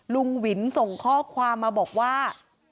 ลุงวินส่งข้อความมาบอกว่า